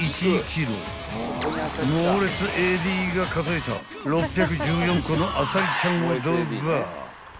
［モーレツＡＤが数えた６１４個のあさりちゃんをドバー］